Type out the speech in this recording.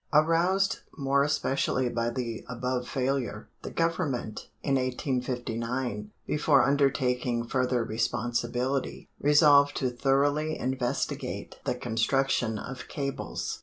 _ Aroused more especially by the above failure, the Government, in 1859, before undertaking further responsibility, resolved to thoroughly investigate the construction of cables.